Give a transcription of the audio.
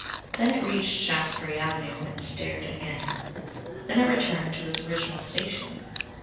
Then it reached Shaftesbury Avenue, and stared again. Then it returned to its original station.